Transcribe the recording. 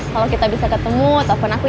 kalo kita bisa ketemu telfon aku ya